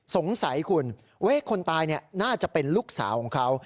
สงสัยคุณว่าคนตายน่าจะเป็นลูกสาวของเขา